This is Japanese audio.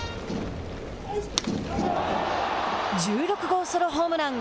１６号ソロホームラン。